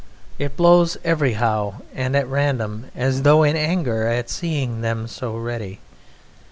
It blows everyhow and at random as though in anger at seeing them so ready.